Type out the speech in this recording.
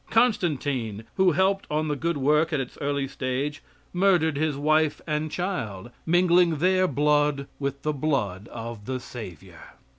Constantine, who helped on the good work in its early stage, murdered his wife and child, mingling their blood with the blood of the Savior.